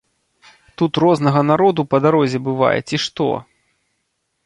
Тут рознага народу па дарозе бывае, ці што!